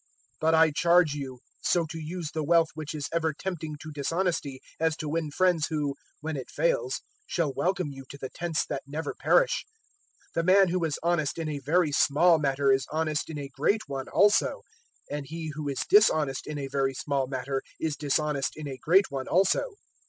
016:009 "But I charge you, so to use the wealth which is ever tempting to dishonesty as to win friends who, when it fails, shall welcome you to the tents that never perish. 016:010 The man who is honest in a very small matter is honest in a great one also; and he who is dishonest in a very small matter is dishonest in a great one also.